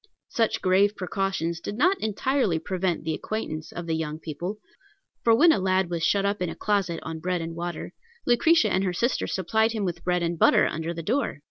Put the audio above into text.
Such grave precautions did not entirely prevent the acquaintance of the young people; for when a lad was shut up in a closet, on bread and water, Lucretia and her sister supplied him with bread and butter under the door.